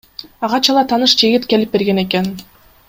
Ага чала тааныш жигит келип берген экен.